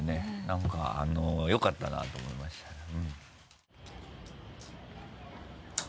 なんかよかったなと思いましたね。